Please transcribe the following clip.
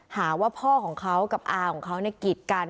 หาว่าพ่อของเขากับอาของเขากีดกัน